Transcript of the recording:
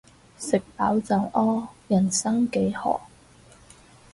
食飽就屙，人生幾何